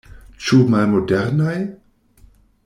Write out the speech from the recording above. Ĉu malmodernaj?